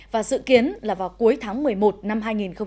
và dự kiến là vào cuối tháng một mươi một năm hai nghìn hai mươi